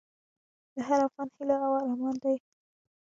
د هر افغان هیله او ارمان دی؛